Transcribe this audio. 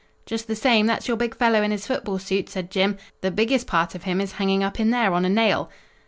"'Just the same, that's your big fellow in his football suit,' said Jim. 'The biggest part of him is hanging up in there on a nail.'